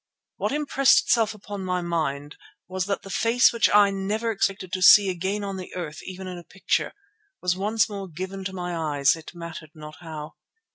What impressed itself upon my mind was that the face which I had never expected to see again on the earth, even in a picture, was once more given to my eyes, it mattered not how.